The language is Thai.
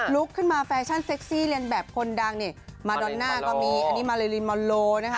ลุกขึ้นมาแฟชั่นเซ็กซี่เรียนแบบคนดังนี่มาดอนน่าก็มีอันนี้มาเลลินมอนโลนะคะ